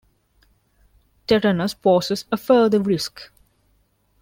Tetanus poses a further risk.